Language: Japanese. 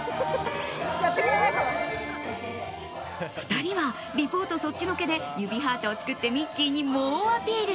２人は、リポートそっちのけで指ハートを作ってミッキーに猛アピール。